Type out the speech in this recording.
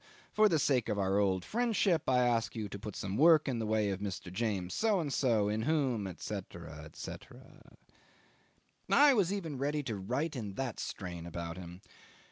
for the sake of our old friendship I ask you to put some work in the way of Mr. James So and so, in whom, &c., &c. ... I was even ready to write in that strain about him.